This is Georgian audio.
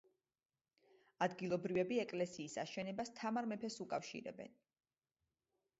ადგილობრივები ეკლესიის აშენებას თამარ მეფეს უკავშირებენ.